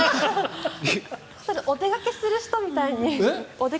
それお出かけする人みたいに。